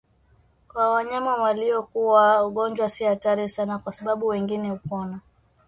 Kwa wanyama waliokua ugonjwa si hatari sana kwa sababu wengi hupona